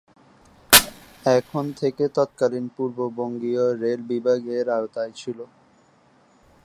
এখান থেকে তৎকালীন পূর্ব বঙ্গীয় রেল বিভাগ এর আওতায় ছিল।